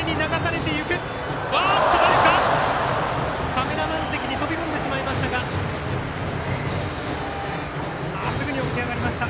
カメラマン席に飛び込んでしまいましたがすぐに起き上がりました。